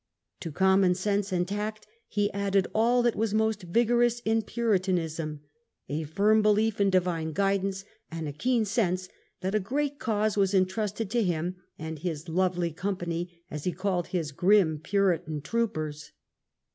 To common sense and tact he added all that was most vigorous in Puritanism, a firm belief in Divine guidance, and a keen sense that a great cause was intrusted to him and his "lovely company", as he called his grim Puritan troopers.